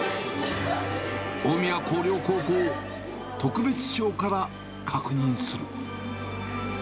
大宮光陵高校、特別賞から確認する。